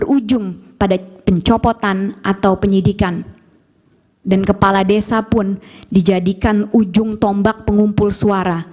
berujung pada pencopotan atau penyidikan dan kepala desa pun dijadikan ujung tombak pengumpul suara